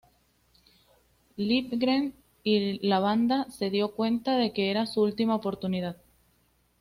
Livgren y la banda se dio cuenta de que era su última oportunidad.